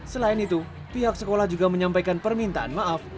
selain itu pihak sekolah juga menyampaikan permintaan maaf